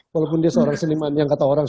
walaupun dia seorang seniman yang kata orang